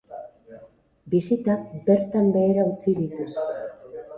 Bisitak bertan behera utzi ditu.